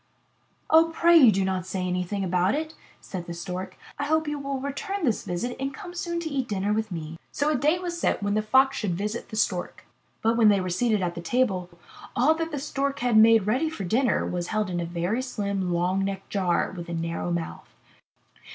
'' ''Oh, pray do not say anything about it,'* said the Stork, 'T hope you will return this visit and come soon to eat dinner with me.'' So a day was set when the Fox should visit the 104 IN THE NURSERY Stork. But when they were seat ed at table, all that the Stork had made ready for dinner was held in a very slim, long necked jar, with a narrow mouth.